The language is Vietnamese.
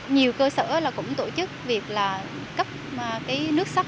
nhiều cơ sở cũng tổ chức việc là cấp nước sắc